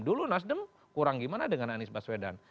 dulu nasdem kurang gimana dengan anies baswedan